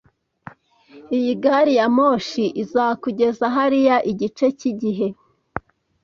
Iyi gari ya moshi izakugeza hariya igice cyigihe